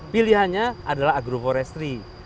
pilihannya adalah agroforestry